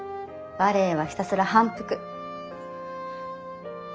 バレエはひたすら反復。